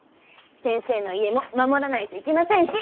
先生の家も守らないといけませんし！